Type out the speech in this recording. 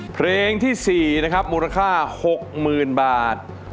เพลงที่๔นะครับมูลค่า๖๐๐๐บาท